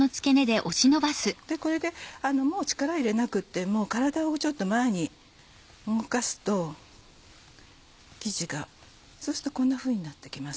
これでもう力を入れなくても体をちょっと前に動かすと生地がそうするとこんなふうになってきます。